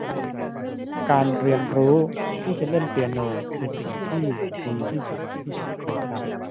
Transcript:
การเรียนรู้ที่จะเล่นเปียโน คือสิ่งที่ดีที่สุดที่ฉันเคยทำ